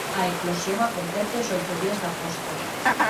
A eclosión acontece ós oito días da posta.